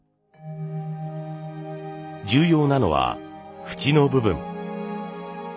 重要なのは縁の部分。